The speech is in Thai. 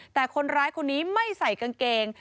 แต่คนร้ายคนนี้ไม่ใส่กางเกง